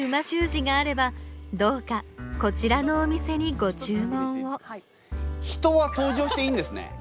字があればどうかこちらのお店にご注文を人は登場していいんですね？